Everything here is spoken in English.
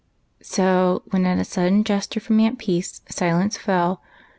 So, when, at a sudden gesture from Aunt Peace, silence fell.